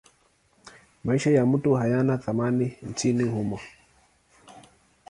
Maisha ya mtu hayana thamani nchini humo.